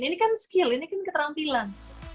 ini kan skill ini kan keterampilan